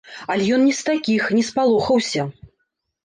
Але ён не з такіх, не спалохаўся.